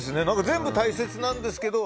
全部大切なんですけど。